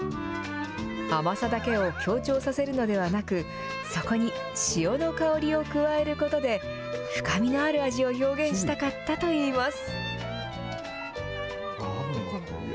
甘さだけを強調させるのではなく、そこに潮の香りを加えることで、深みのある味を表現したかったといいます。